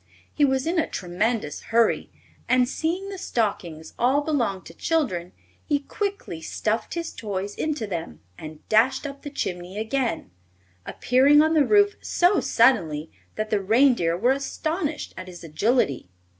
He was in a tremendous hurry and seeing the stockings all belonged to children he quickly stuffed his toys into them and dashed up the chimney again, appearing on the roof so suddenly that the reindeer were astonished at his agility.